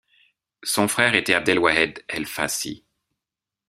Son frère était Abdelouahed El Fassi.